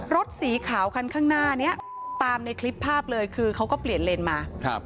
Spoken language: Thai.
รถสีขาวคันข้างหน้านี้ตามในคลิปภาพเลยคือเขาก็เปลี่ยนเลนมา